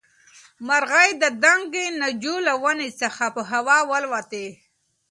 مرغۍ د دنګې ناجو له ونې څخه په هوا والوتې.